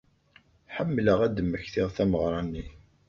Ḥemmleɣ ad d-mmektiɣ tameɣra-nni.